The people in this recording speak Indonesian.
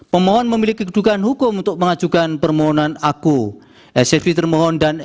permohonan memiliki kedudukan hukum untuk mengajukan permohonan aku sfc termohon dan